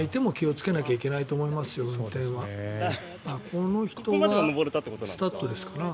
この人はスタッドレスかな。